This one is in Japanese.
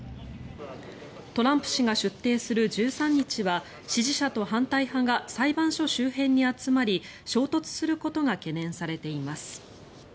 トランプ氏が出廷する１３日は支持者と反対派が裁判所周辺に集まり衝突することが懸念されています。